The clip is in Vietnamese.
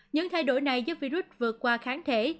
những thay đổi này giúp virus vượt qua kháng thể